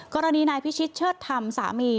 กรณีนายพิชิตเชิดธรรมสามี